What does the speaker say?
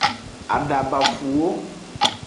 Adabafuwo.